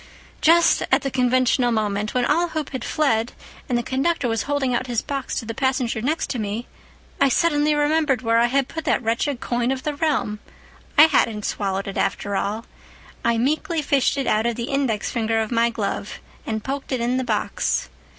"Just at the conventional moment, when all hope had fled, and the conductor was holding out his box to the passenger next to me, I suddenly remembered where I had put that wretched coin of the realm. I hadn't swallowed it after all. I meekly fished it out of the index finger of my glove and poked it in the box.